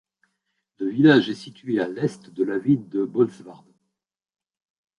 Le village est situé à l'est de la ville de Bolsward.